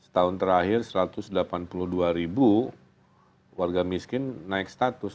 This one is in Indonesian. tahun terakhir satu ratus delapan puluh dua ribu warga miskin naik status